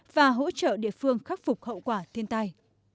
và hỗ trợ địa phương khắc phục hậu quả thiên tai